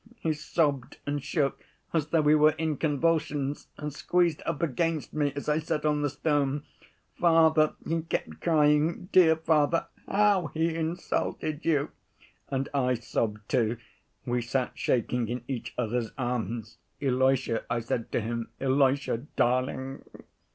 He sobbed and shook as though he were in convulsions, and squeezed up against me as I sat on the stone. 'Father,' he kept crying, 'dear father, how he insulted you!' And I sobbed too. We sat shaking in each other's arms. 'Ilusha,' I said to him, 'Ilusha darling.